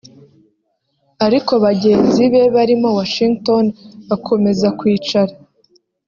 ariko bagenzi be barimo Washington bakomeza kwicara